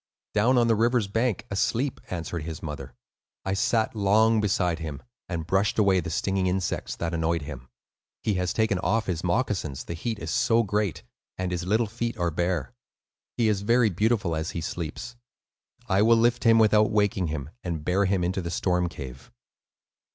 "Down on the river's bank asleep," answered his mother. "I sat long beside him, and brushed away the stinging insects that annoyed him. He has taken off his moccasins, the heat is so great, and his little feet are bare. He is very beautiful as he sleeps. I will lift him without waking him, and bear him into the storm cave."